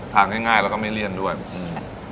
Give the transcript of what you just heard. ง่ายง่ายแล้วก็ไม่เลี่ยนด้วยอืม